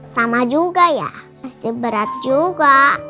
sama juga ya pasti berat juga